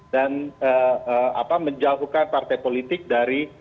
dan menjauhkan partai politik dari